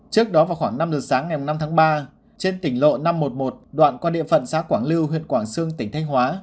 trước đó vào khoảng năm giờ sáng ngày năm tháng ba trên tỉnh lộ năm trăm một mươi một đoạn qua địa phận xã quảng lưu huyện quảng sương tỉnh thanh hóa